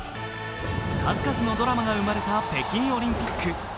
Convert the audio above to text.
数々のドラマが生まれた北京オリンピック。